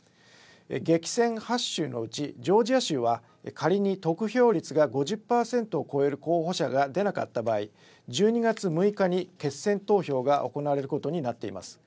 激戦８州のうちジョージア州は仮に得票率が５０％を超える候補者がでなかった場合、１２月６日に決戦投票が行われることになっています。